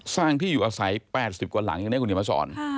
ที่อยู่อาศัย๘๐กว่าหลังอย่างนี้คุณเดี๋ยวมาสอน